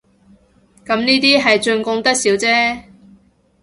咁呢啲係進貢得少姐